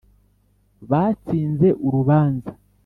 batsinze urubanza